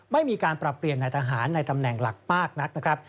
ไม่มีการปรับเปลี่ยนนายทหารในตำแหน่งหลักมากนักนะครับ